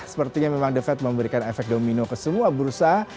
sepertinya memang the fed memberikan efek domino ke semua bursa